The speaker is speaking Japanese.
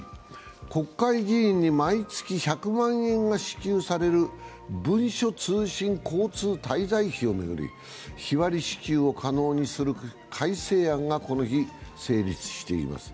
国会議員に毎月１００万円が支給される文書通信交通滞在費を巡り日割り支給を可能にする改正案がこの日、成立しています。